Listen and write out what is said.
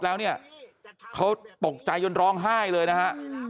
แล้วเนี่ยเขาตกใจจนร้องไห้เลยนะฮะ